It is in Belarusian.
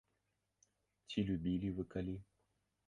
Ці любілі вы калі?